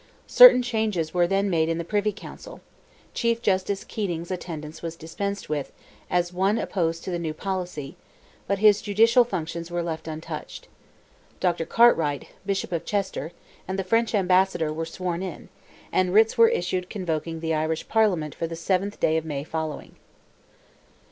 Certain changes were then made in the Privy Council; Chief Justice Keating's attendance was dispensed with as one opposed to the new policy, but his judicial functions were left untouched. Dr. Cartwright, Bishop of Chester, and the French Ambassador were sworn in, and writs were issued convoking the Irish Parliament for the 7th day of May following.